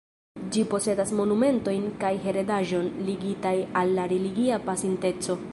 Ĝi posedas monumentojn kaj heredaĵon ligitaj al la religia pasinteco.